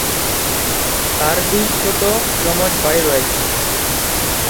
তার দুই ছোট যমজ ভাই রয়েছে।